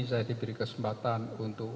saya diberi kesempatan untuk